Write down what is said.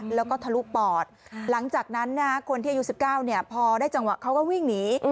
แล้วก็ทะลุปอดหลังจากนั้นคนที่อายุ๑๙พอได้จังหวะเขาก็วิ่งหนี